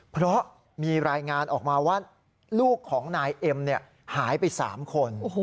เพราะมีรายงานออกมาว่าลูกของนายเอ็มหายไป๓คน